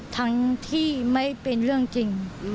ทั้งที่ไม่เป็นเรื่องจริง